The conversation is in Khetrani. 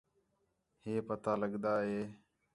ہِے پتا لڳدا ہِے